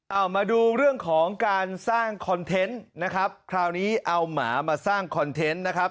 เอามาดูเรื่องของการสร้างคอนเทนต์นะครับคราวนี้เอาหมามาสร้างคอนเทนต์นะครับ